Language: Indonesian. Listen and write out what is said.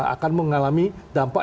akan mengalami dampak